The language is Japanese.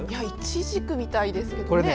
いちじくみたいですね。